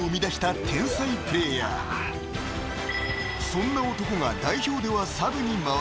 ［そんな男が代表ではサブに回る］